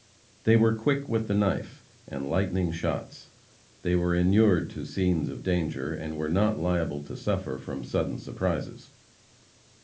They were quick with the knife, and "lightning shots." They were inured to scenes of danger, and were not liable to suffer from sudden surprises.